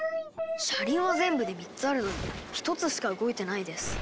車輪は全部で３つあるのに１つしか動いてないです。